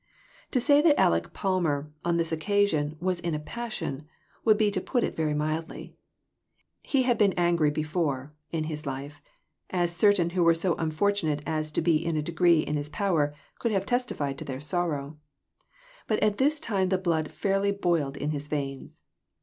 To say that Aleck Palmer, on that occasion, was in a passion, would be to put it very mildly. He had been angry before, in his life as certain who were so unfortunate as to be in a degree in his power, could have testified to their sorrow but at this time the blood fairly boiled in his veins.